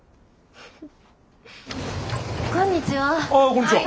こんにちは。